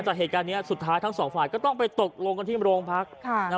แต่เหตุการณ์นี้สุดท้ายทั้งสองฝ่ายก็ต้องไปตกลงกันที่โรงพัก